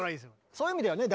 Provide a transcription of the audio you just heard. そういう意味ではね